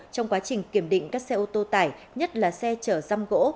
trong quá trình kiểm định các xe ô tô tải nhất là xe chở răm gỗ